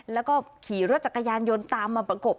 แล้วก็ขี่รถจักรยานยนต์ตามมาประกบ